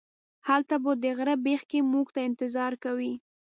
هلته به د غره بیخ کې موږ ته انتظار کوئ.